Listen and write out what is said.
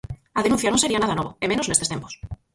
A denuncia non sería nada novo, e menos nestes tempos.